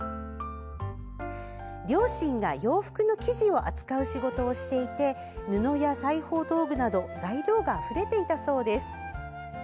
両親が洋服の生地を扱う仕事をしていて布や裁縫道具など材料があふれていたそうです。